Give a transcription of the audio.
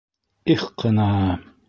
Их ҡына!